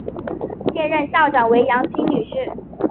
现任校长为杨清女士。